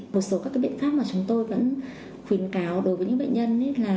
một số các biện pháp mà chúng tôi vẫn khuyến cáo đối với những bệnh nhân